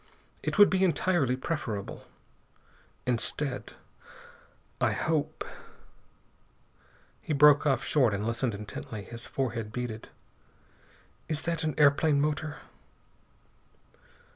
It would be entirely preferable. Instead, I hope " He broke off short and listened intently. His forehead beaded. "Is that an airplane motor?"